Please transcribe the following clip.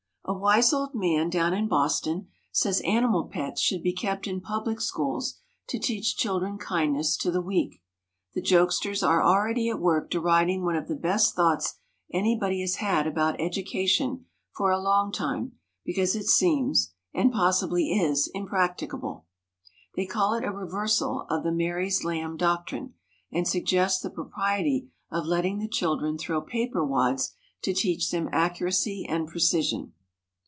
A wise old man down in Boston says animal pets should be kept in public schools to teach children kindness to the weak. The jokesters are already at work deriding one of the best thoughts anybody has had about education for a long time because it seems, and possibly is, impracticable. They call it a reversal of the Mary's lamb doctrine, and suggest the propriety of letting the children throw paper wads to teach them accuracy and precision.